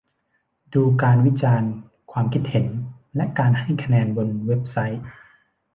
ดูการวิจารณ์ ความคิดเห็น และการให้คะแนนบนเว็บไซต์